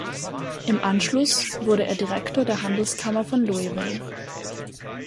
Im Anschluss wurde er Direktor der Handelskammer von Louisville.